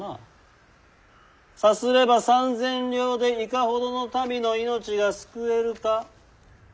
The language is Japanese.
さすれば３千両でいかほどの民の命が救えるか。